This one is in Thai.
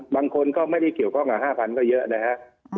บางคนก็ไม่ได้เกี่ยวข้องกับ๕๐๐ก็เยอะนะฮะ